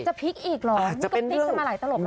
จะพลิกอีกหรอมันก็พลิกมาหลายตลอดแล้ว